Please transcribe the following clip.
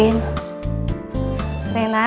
terima kasih bu andi